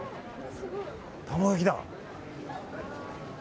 卵焼きだ。